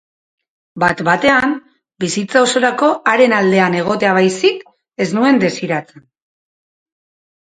Bat-batean, bizitza osorako haren aldean egotea baizik ez nuen desiratzen.